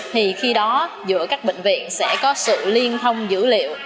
thì khi đó giữa các bệnh viện sẽ có sự liên thông dữ liệu